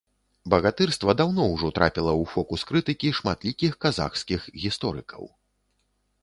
Батырства даўно ўжо трапіла ў фокус крытыкі шматлікіх казахскіх гісторыкаў.